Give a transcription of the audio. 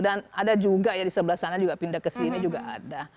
dan ada juga ya di sebelah sana juga pindah ke sini juga ada